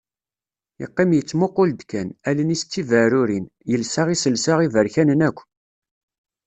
Yeqqim yettmuqul-d kan. Allen-is d tibaɛrurin, yelsa iselsa iberkanen akk.